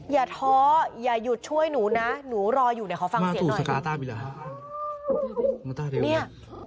อย่าท้ออย่าหยุดช่วยหนูนะหนูรออยู่เนี่ยขอฟังเสียงหน่อยฮะ